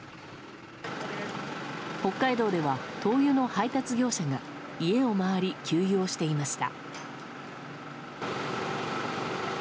北海道では灯油の配達業者が家を回り、給油をしていました。